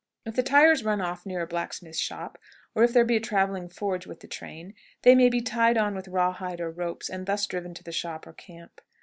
If the tires run off near a blacksmith's shop, or if there be a traveling forge with the train, they may be tied on with raw hide or ropes, and thus driven to the shop or camp.